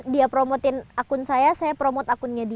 dia promotin akun saya saya promote akunnya dia